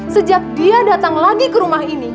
sejak dia datang lagi ke rumah ini